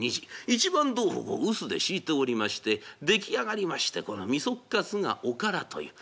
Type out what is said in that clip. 一番豆腐を臼でひいておりまして出来上がりましてこのみそっかすがおからという。